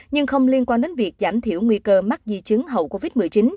nhưng không liên quan đến việc giảm thiểu nguy cơ mắc di chứng hậu covid một mươi chín